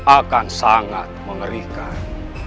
akan sangat mengerikan